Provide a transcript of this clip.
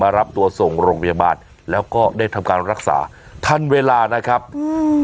รับตัวส่งโรงพยาบาลแล้วก็ได้ทำการรักษาทันเวลานะครับอืม